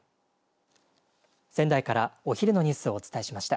仙台からお昼のニュースをお伝えしました。